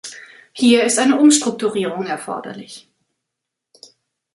Hier ist eine Umstrukturierung erforderlich.